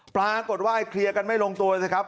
ปรากฏว่าเคลียร์กันไม่ลงตัวสิครับ